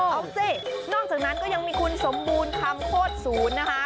เอาสินอกจากนั้นก็ยังมีคุณสมบูรณ์คำโคตรศูนย์นะคะ